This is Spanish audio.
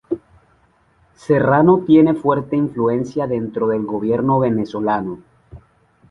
Serrano tiene fuerte influencia dentro del gobierno venezolano.